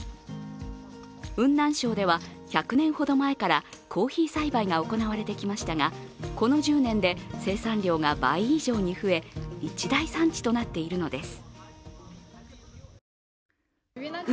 雲南省では１００年ほど前からコーヒー栽培が行われてきましたがこの１０年で生産量が倍以上に増え一大産地となっているのです。